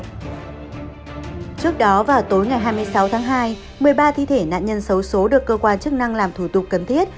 trước đó vào tối ngày hai mươi sáu tháng hai một mươi ba thi thể nạn nhân xấu xố được cơ quan chức năng làm thủ tục cần thiết